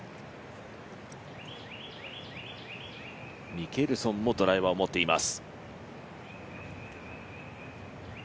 ミケルソンもドライバーを持っています。